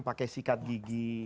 pakai sikat gigi